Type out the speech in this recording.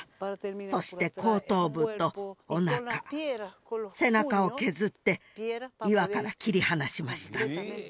そして後頭部とおなか背中を削って岩から切り離しました